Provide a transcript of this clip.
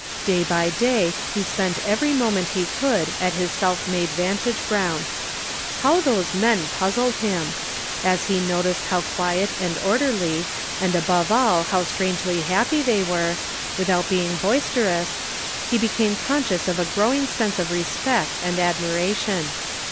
Day by day he spent every moment he could get at his self made vantage ground. How those men puzzled him! As he noticed how quiet and orderly, and above all how strangely happy they were, without being boisterous, he became conscious of a growing sense of respect and admiration.